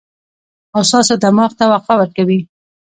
او ستاسو دماغ ته وقفه ورکوي